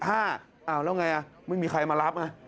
อ้าวแล้วอย่างไรไม่มีใครมารับ